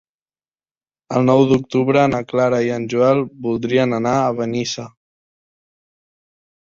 El nou d'octubre na Clara i en Joel voldrien anar a Benissa.